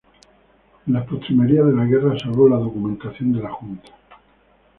En las postrimerías de la guerra salvó la documentación de la Junta.